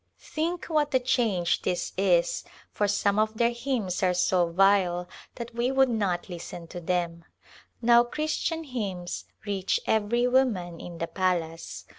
Think what a change this is, for some of their hymns are so vile that we ['65] A Glimpse of India would not listen to them. Now Christian hymns reach every woman in the palace.